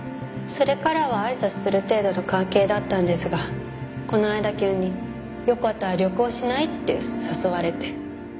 それからはあいさつする程度の関係だったんですがこの間急に「よかったら旅行しない？」って誘われて。